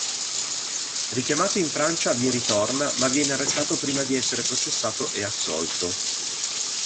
Richiamato in Francia vi ritorna, ma viene arrestato prima di essere processato e assolto.